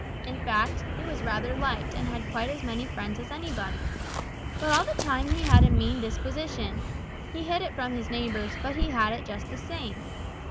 In fact, he was rather liked and had quite as many friends as anybody. But all the time he had a mean disposition. He hid it from his neighbors, but he had it just the same.